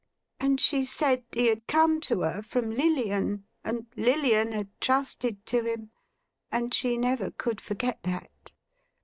And she said he had come to her from Lilian, and Lilian had trusted to him, and she never could forget that.